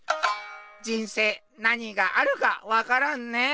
人生なにがあるかわからんね。